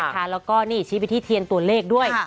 แล้วก็นี่ชี้ไปที่เทียนตัวเลขด้วย